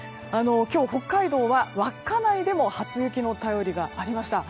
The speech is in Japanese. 今日、北海道は稚内でも初雪の便りがありました。